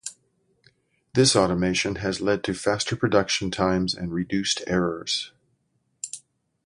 This automation has led to faster production times and reduced errors.